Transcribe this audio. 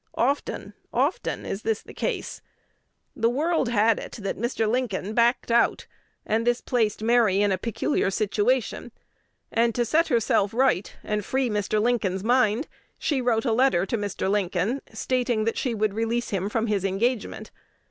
Often, often, is this the case. The world had it that Mr. Lincoln backed out, and this placed Mary in a peculiar situation; and to set herself right, and free Mr. Lincoln's mind, she wrote a letter to Mr. Lincoln, stating that she would release him from his engagement....